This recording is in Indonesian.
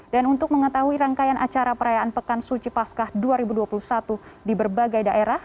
dan untuk mengetahui rangkaian acara perayaan pekan suci paskah dua ribu dua puluh satu di berbagai daerah